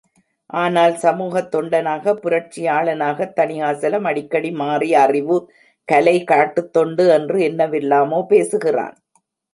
ஆனால் சமூகத்தொண்டனாக, புரட்சியாளனாகத் தணிகாசலம் அடிக்கடி மாறி அறிவு, கலை, காட்டுத்தொண்டு என்று என்னவெல்லாமோ பேசுகிறான்!